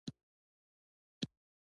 توپنچه یې د هغه سر ته ونیوله.